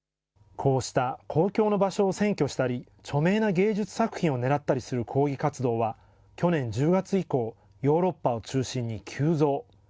こうした公共の場所を占拠したり、著名な芸術作品を狙ったりする抗議活動は、去年１０月以降、ヨーロッパを中心に急増。